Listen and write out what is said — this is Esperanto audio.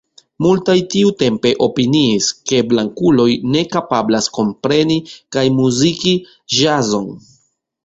Multaj tiutempe opiniis, ke blankuloj ne kapablas kompreni kaj muziki ĵazon.